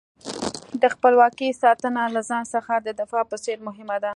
د خپلواکۍ ساتنه له ځان څخه د دفاع په څېر مهمه ده.